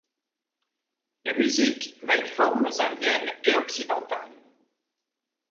La musique mêle formes indiennes et occidentales.